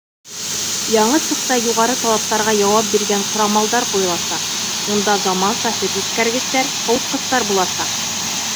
Яңы цехта юғары талаптарға яуап биргән ҡорамалдар ҡуйыласаҡ, унда заманса һөт үткәргестәр, һыуытҡыстар буласаҡ.